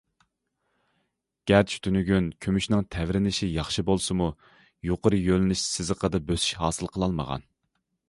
گەرچە تۈنۈگۈن كۈمۈشنىڭ تەۋرىنىشى ياخشى بولسىمۇ، يۇقىرى يۆلىنىش سىزىقىدا بۆسۈش ھاسىل قىلالمىغان.